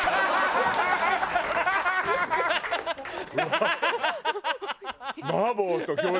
ハハハハ！